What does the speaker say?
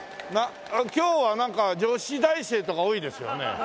今日はなんか女子大生とか多いですよね。